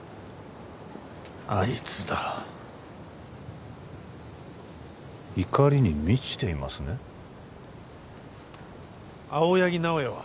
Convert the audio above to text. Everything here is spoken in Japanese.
あいつだ怒りに満ちていますね青柳直哉は？